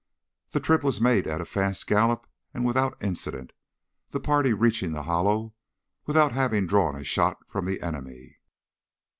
The trip was made at a fast gallop and without incident, the party reaching the hollow without having drawn a shot from the enemy.